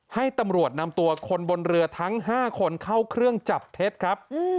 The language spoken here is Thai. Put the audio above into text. ให้ตำรวจนำตัวคนบนเรือทั้ง๕คนเข้าเครื่องจับเท็จครับ